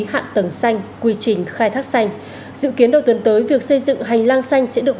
hạ tầng xanh quy trình khai thác xanh dự kiến đầu tuần tới việc xây dựng hành lang xanh sẽ được